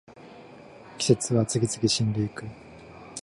季節は次々死んでいく